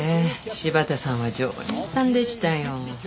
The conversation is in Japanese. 柴田さんは常連さんでしたよ。